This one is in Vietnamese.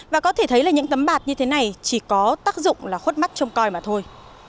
và có thể thấy là những tấm bạt như thế này chỉ có tác dụng là khuất mắt trông coi mà thôi